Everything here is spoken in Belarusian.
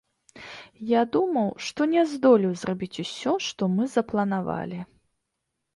Я думаў, што не здолею зрабіць ўсё, што мы запланавалі.